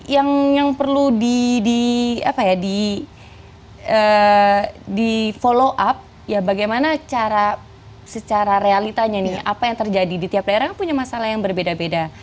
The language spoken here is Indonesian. yang perlu di follow up ya bagaimana secara realitanya nih apa yang terjadi di tiap daerah punya masalah yang berbeda beda